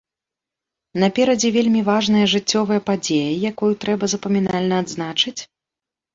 Наперадзе вельмі важная жыццёвая падзея, якую трэба запамінальна адзначыць?